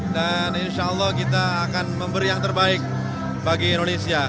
dan insya allah kita akan memberi yang terbaik bagi indonesia